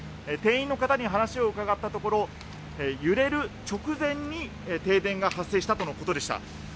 店員に話を聞いたところ揺れる直前に停電が発生したということでした。